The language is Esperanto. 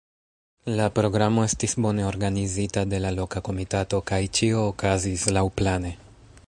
La programo estis bone organizita de la loka komitato, kaj ĉio okazis laŭplane.